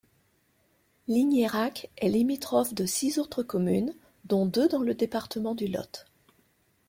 Ligneyrac est limitrophe de six autres communes, dont deux dans le département du Lot.